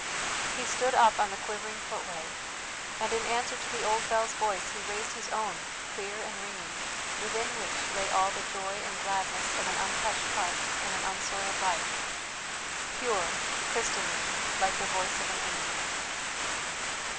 He stood up on the quivering footway, and in answer to the old bell's voice he raised his own, clear and ringing, within which lay all the joy and gladness of an untouched heart and an unsoiled life, pure, crystalline, like the voice of an angel.